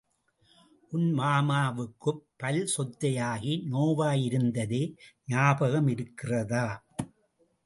உன் மாமாவுக்குப் பல் சொத்தையாகி நோவாயிருந்ததே ஞாபகமிருக்கிறதா?